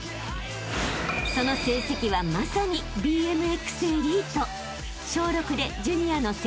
［その成績はまさにＢＭＸエリート］